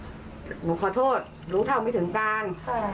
หนูขอโทษรู้เท่าไม่ถึงการ